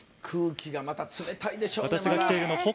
空気がまた冷たいでしょうね。